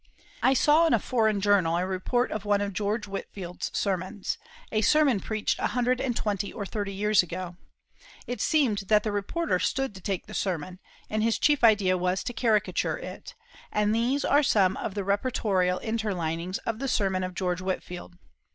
I saw in a foreign journal a report of one of George Whitefield's sermons a sermon preached a hundred and twenty or thirty years ago. It seemed that the reporter stood to take the sermon, and his chief idea was to caricature it, and these are some of the reportorial interlinings of the sermon of George Whitefield.